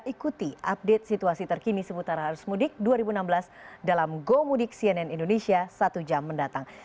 ikuti update situasi terkini seputar arus mudik dua ribu enam belas dalam gomudik cnn indonesia satu jam mendatang